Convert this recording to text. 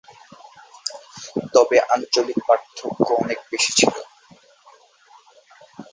তবে আঞ্চলিক পার্থক্য অনেক বেশি ছিল।